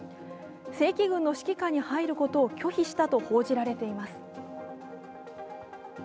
正規軍の指揮下に入ることを拒否したと報じられています。